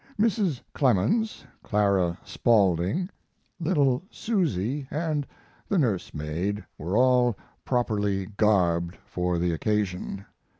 Mrs. Clemens, Clara Spaulding, little Susy, and the nurse maid were all properly garbed for the occasion.